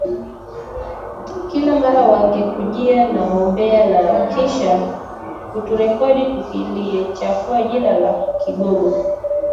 Kila mara wangetujia na umbea na kisha kuturekodi tukilichafua jina la kigogo